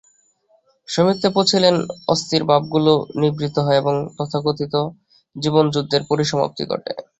সমত্বে পৌঁছিলে অস্থির ভাবগুলি নিবৃত্ত হয় এবং তথাকথিত জীবনযুদ্ধের পরিসমাপ্তি ঘটে।